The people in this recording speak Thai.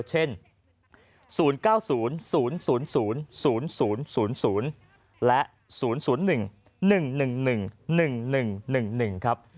เช่น๐๙๐๐๐๐๐๐๐๐และ๐๐๑๑๑๑๑๑๑๑ครับ